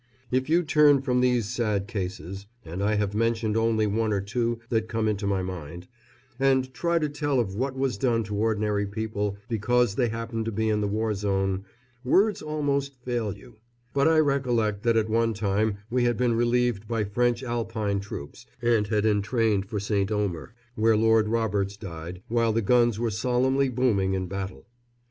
If you turn from these sad cases and I have mentioned only one or two that come into my mind and try to tell of what was done to ordinary people because they happened to be in the war zone, words almost fail you; but I recollect that at one time we had been relieved by French Alpine troops and had entrained for St. Omer, where Lord Roberts died, while the guns were solemnly booming in battle.